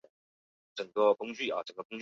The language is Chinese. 叫声及外观很像斑嘴巨䴙䴘。